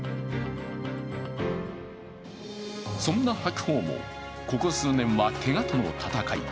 そんな白鵬も、ここ数年はけがとの戦い。